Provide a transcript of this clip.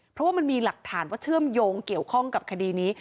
เพราะว่ามันมีหลักฐานว่าเชื่อมโยงเกี่ยวข้องกับคดีนี้